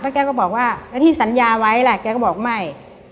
แกก็บอกว่าแล้วที่สัญญาไว้ล่ะแกก็บอกไม่